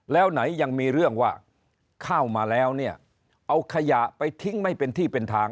แล้วไหนยังมีเรื่องว่าเข้ามาแล้วเนี่ยเอาขยะไปทิ้งไม่เป็นที่เป็นทาง